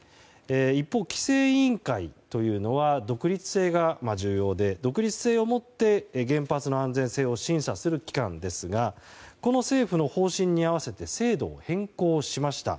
一方、規制委員会というのは独立性が重要で、独立性を持って原発の安全性を審査する機関ですがこの政府の方針に合わせて制度を変更しました。